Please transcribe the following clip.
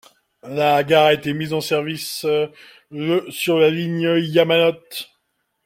La gare a été mise en service le sur la ligne Yamanote.